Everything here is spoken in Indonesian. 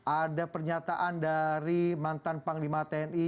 ada pernyataan dari mantan panglima tni